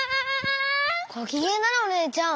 ごきげんだねお姉ちゃん。